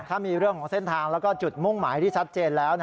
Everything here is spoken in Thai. ถ้ามีเรื่องของเส้นทางแล้วก็จุดมุ่งหมายที่ชัดเจนแล้ว